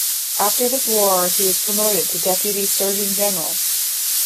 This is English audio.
After this war he was promoted to Deputy Surgeon-General.